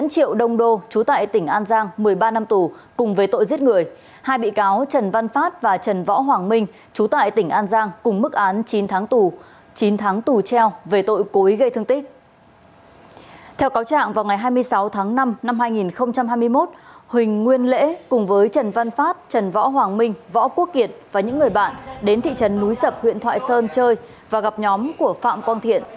theo cáo trạng vào ngày hai mươi sáu tháng năm năm hai nghìn hai mươi một huỳnh nguyên lễ cùng với trần văn pháp trần võ hoàng minh võ quốc kiệt và những người bạn đến thị trấn núi sập huyện thoại sơn chơi và gặp nhóm của phạm quang thiện